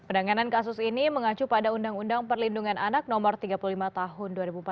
penanganan kasus ini mengacu pada undang undang perlindungan anak no tiga puluh lima tahun dua ribu empat belas